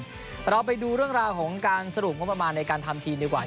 เราไปดูเรื่องราวของการสรุปงบประมาณในการทำทีมดีกว่า